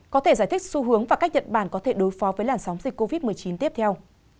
có thể giải thích xu hướng và cách nhật bản có thể đối phó với làn sóng dịch covid một mươi chín tiếp theo